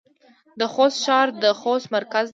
د خوست ښار د خوست مرکز دی